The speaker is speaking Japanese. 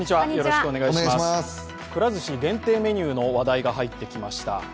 くら寿司限定メニューの話題が入ってきました。